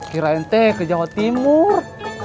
kirain teh ke jawa timur